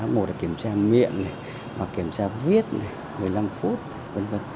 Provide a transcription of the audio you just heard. một là kiểm tra miệng kiểm tra viết một mươi năm phút v v